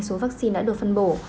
số vaccine đã được phân bổ